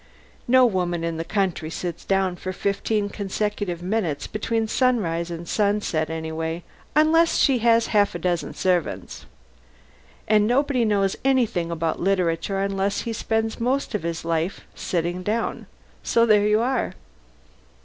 No woman in the country sits down for fifteen consecutive minutes between sunrise and sunset, anyway, unless she has half a dozen servants. And nobody knows anything about literature unless he spends most of his life sitting down. So there you are.